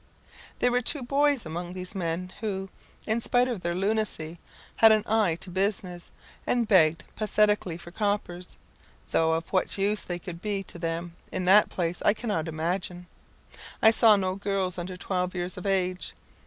There were two boys among these men who, in spite of their lunacy, had an eye to business, and begged pathetically for coppers, though of what use they could be to them in that place I cannot imagine. I saw no girls under twelve years of age.